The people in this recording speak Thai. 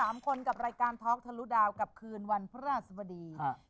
ทั้งคนกับรายการท็อคทะลุดาวกับคืนวันพระราชบดี